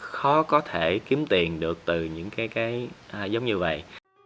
khó có thể kiếm tiền được từ những cái giống như vậy